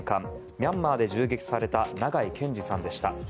ミャンマーで銃撃された長井健司さんでした。